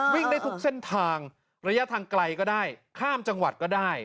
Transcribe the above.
วิ่งได้ทุกเส้นทางระยะทางไกลก็ได้ข้ามจังหวัดก็ได้